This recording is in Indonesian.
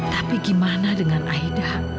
tapi gimana dengan aida